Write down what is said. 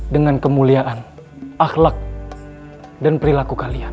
dengan kemuliaan akhlak dan perilaku kalian